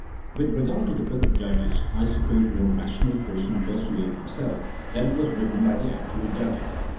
With regard to the book of Judges, I suppose no rational person persuades himself that it was written by the actual Judges.